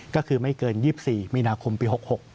ก็คือไม่เกิน๒๔มีนาคมปี๖๖